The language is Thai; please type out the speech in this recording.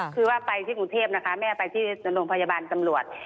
คือว่าไปที่กรุงเทพนะคะแม่ไปที่โรงพยาบาลตำรวจ